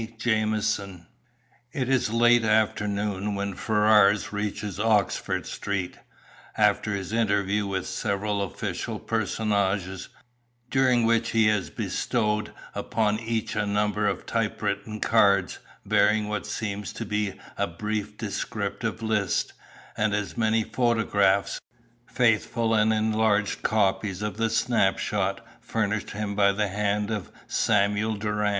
Jamieson." It is late afternoon when Ferrars reaches Oxford Street, after his interview with several official personages, during which he has bestowed upon each a number of typewritten cards, bearing what seems to be a brief descriptive list, and as many photographs, faithful and enlarged copies of the "snap shot" furnished him by the hand of Samuel Doran.